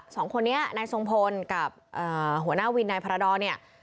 สองคนนี้นายทรงพลกับหัวหน้าวินนายพารดรเนี่ย